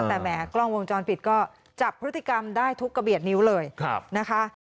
แต่แหมกล้องวงจรปิดก็จับพฤติกรรมได้ทุกกระเบียดนิ้วเลยนะคะ